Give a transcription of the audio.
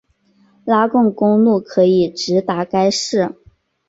拉贡公路可以直达该寺。